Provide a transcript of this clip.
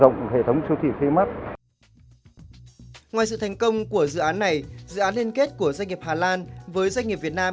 ngoài sự thành công của dự án này dự án liên kết của doanh nghiệp hà lan với doanh nghiệp việt nam